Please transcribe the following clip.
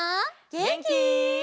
げんき？